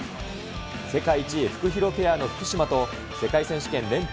世界１位、フクヒロペアの福島と世界選手権連覇